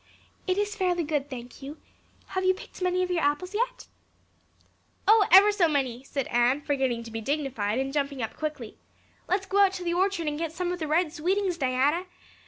"It is fairly good, thank you. Have you picked many of your apples yet?" "Oh, ever so many," said Anne forgetting to be dignified and jumping up quickly. "Let's go out to the orchard and get some of the Red Sweetings, Diana.